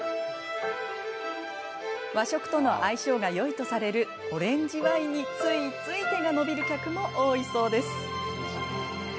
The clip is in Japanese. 和食との相性がよいとされるオレンジワインについつい手が伸びる客も多いそうです。